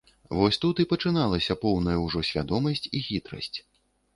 Вось тут і пачыналася поўная ўжо свядомасць і хітрасць.